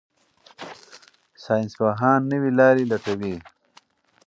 ساینسپوهان نوې لارې لټوي.